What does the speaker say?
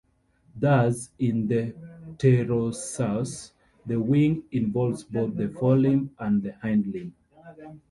Thus, in the pterosaurs, the "wing" involves both the forelimb and the hindlimb.